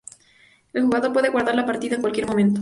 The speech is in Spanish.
El jugador puede guardar la partida en cualquier momento.